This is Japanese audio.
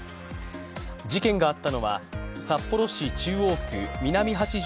事件があったのは札幌市中央区南８条